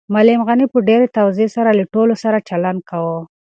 معلم غني په ډېرې تواضع سره له ټولو سره چلند کاوه.